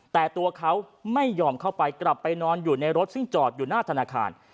แต่ตัวเขาไม่ยอมเข้าไปกลับไปนอนอยู่ในรถซึ่งจอดอยู่หน้าธนาคาร